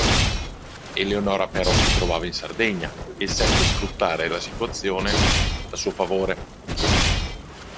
Eleonora però si trovava in Sardegna e seppe sfruttare la situazione a suo favore.